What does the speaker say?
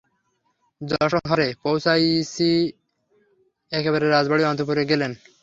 যশোহরে পৌঁছিয়াই একেবারে রাজবাটীর অন্তঃপুরে গেলেন।